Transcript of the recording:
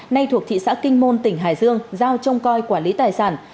nay thuộc thị xã kinh môn tỉnh hải dương giao trông coi quản lý tài sản